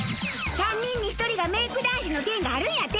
３人に１人がメイク男子の県があるんやて！